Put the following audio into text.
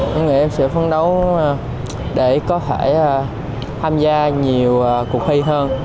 những người em sẽ phấn đấu để có thể tham gia nhiều cuộc thi hơn